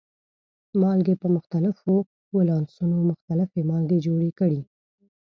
مالګې په مختلفو ولانسونو مختلفې مالګې جوړې کړي.